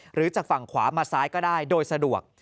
หรือจากฝั่งขวามาซ้ายก็ได้โดยสะดวก